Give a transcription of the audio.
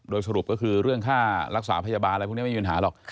โดยสรุปก็คือเรื่องค่ารักษาพยาบาลอะไรพวกนี้ไม่มีปัญหาหรอก